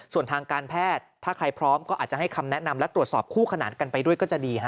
ส่วนทางการแพทย์ถ้าใครพร้อมก็อาจจะให้คำแนะนำและตรวจสอบคู่ขนานกันไปด้วยก็จะดี